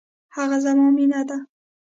هغه زما مینه ده